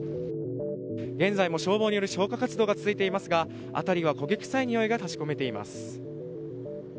現在も消防による消火活動が行われていますが辺りは焦げ臭いにおいが立ち込めています。